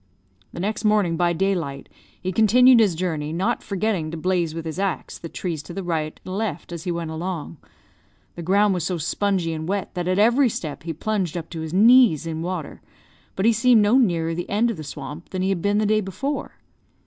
"The next morning, by daylight, he continued his journey, not forgetting to blaze with his axe the trees to the right and left as he went along. The ground was so spongy and wet that at every step he plunged up to his knees in water, but he seemed no nearer the end of the swamp than he had been the day before.